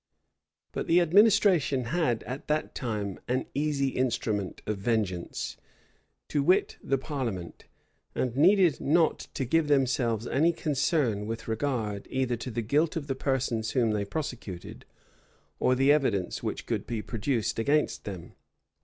But the administration had at that time an easy instrument of vengeance, to wit, the parliament; and needed not to give themselves any concern with regard either to the guilt of the persons whom they prosecuted, or the evidence which could be produced against them.